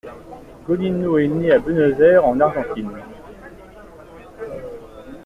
Godino est né à Buenos Aires en Argentine.